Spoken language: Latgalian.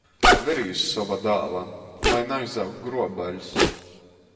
Verīs sova dāla! Lai naizaug gruobaļs!